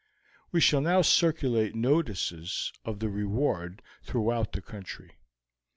We shall now circulate notices of the reward throughout the country.